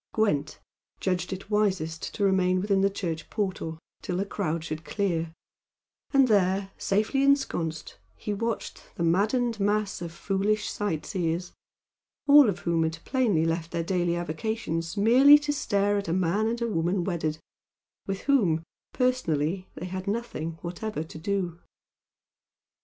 Gwent judged it wisest to remain within the church portal till the crowd should clear, and there, safely ensconced, he watched the maddened mass of foolish sight seers, all of whom had plainly left their daily avocations merely to stare at a man and woman wedded, with whom, personally, they had nothing whatever to do.